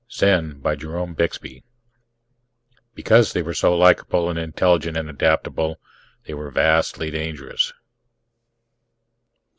net ZEN By JEROME BIXBY _Because they were so likable and intelligent and adaptable they were vastly dangerous!